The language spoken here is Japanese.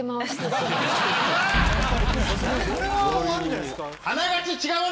これはあるんじゃないですか？